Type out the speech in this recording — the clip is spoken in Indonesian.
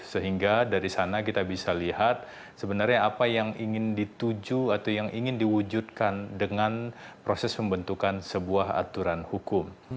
sehingga dari sana kita bisa lihat sebenarnya apa yang ingin dituju atau yang ingin diwujudkan dengan proses pembentukan sebuah aturan hukum